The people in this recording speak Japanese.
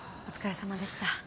お疲れさまでした。